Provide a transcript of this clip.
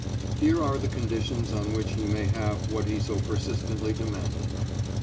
"Here are the conditions on which he may have what he so persistently demanded: "1.